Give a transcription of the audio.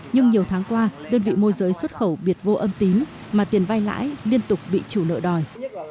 nhưng nhiều tháng qua đơn vị môi giới xuất khẩu biệt vô âm tín mà tiền vai lãi liên tục bị chủ nợ đòi